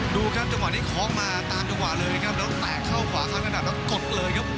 ดูครับจังหวะนี้คล้องมาตามจังหวะเลยนะครับแล้วแตกเข้าขวาข้างระดับแล้วกดเลยครับ